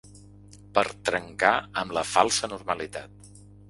Per trencar amb la falsa normalitat.